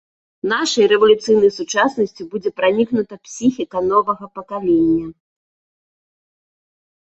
Нашай рэвалюцыйнай сучаснасцю будзе пранікнута псіхіка новага пакалення.